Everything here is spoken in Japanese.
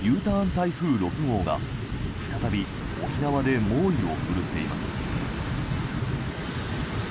台風６号が再び沖縄で猛威を振るっています。